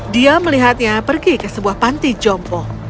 dia melihatnya pergi ke sebuah panti jompo